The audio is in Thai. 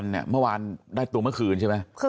น้าสาวของน้าผู้ต้องหาเป็นยังไงไปดูนะครับ